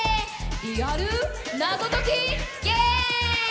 リアル謎解きゲーム！